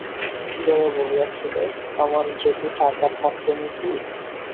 জয়া বলিয়াছিল, আমার যদি টাকা থাকত মতি!